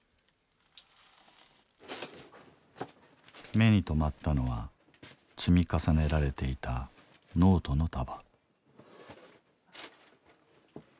目に留まったのは積み重ねられていたノートの束。